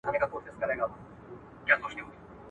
د پنبې حاصل په مني کې راټولیږي.